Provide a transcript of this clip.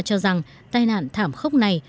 cho rằng tai nạn thảm khốc này